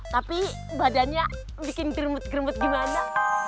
tapi badannya bikin gerumut gerumut gimana